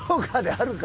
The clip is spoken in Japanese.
あるか！